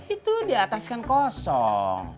itu di atas kan kosong